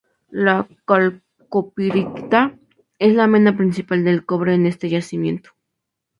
La calcopirita es la mena principal del cobre en este yacimiento.